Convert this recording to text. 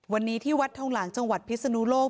วันนี้ที่วัดทองหลางจังหวัดพิศนุโลก